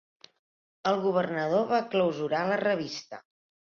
El governador va clausurar la revista.